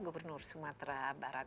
gubernur sumatera barat